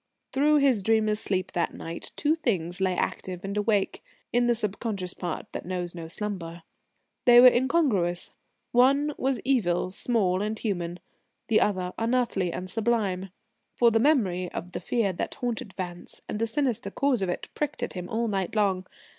Through his dreamless sleep that night two things lay active and awake ... in the subconscious part that knows no slumber. They were incongruous. One was evil, small and human; the other unearthly and sublime. For the memory of the fear that haunted Vance, and the sinister cause of it, pricked at him all night long.